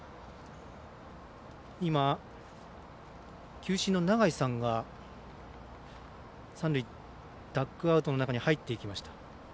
球審の永井さんが三塁のダグアウトの中に入っていきました。